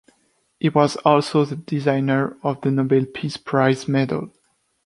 He was also the designer of the Nobel Peace Prize medal.